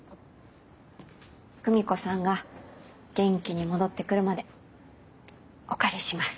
久美子さんが元気に戻ってくるまでお借りします。